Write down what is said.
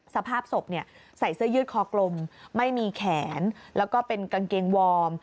สภาพศพใส่เสื้อยืดคอกลมไม่มีแขนแล้วก็เป็นกางเกงวอร์ม